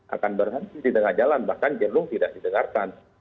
akan berhenti di tengah jalan bahkan jenuh tidak didengarkan